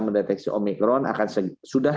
mendeteksi omikron akan sudah